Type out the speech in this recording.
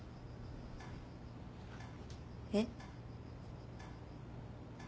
えっ？